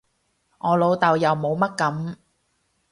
我老豆又冇乜噉